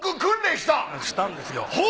したんですよ。